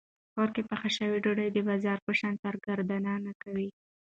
کور کې پخه شوې ډوډۍ د بازار په شان سرګردان نه کوي.